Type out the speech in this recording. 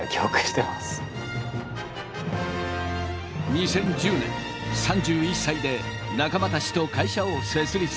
２０１０年３１歳で仲間たちと会社を設立。